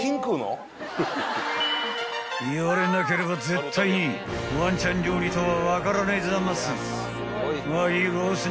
［言われなければ絶対にワンちゃん料理とは分からないザマス］